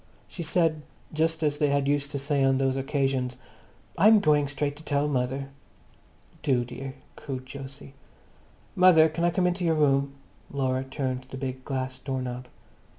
She said, just as they had used to say on those occasions, "I'm going straight up to tell mother." "Do, dear," cooed Jose. "Mother, can I come into your room?" Laura turned the big glass door knob.